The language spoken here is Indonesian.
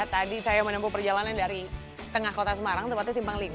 tadi saya menempuh perjalanan dari tengah kota semarang tempatnya simpang lima